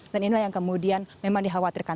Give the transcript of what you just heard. dan inilah yang kemudian memang dikhawatirkan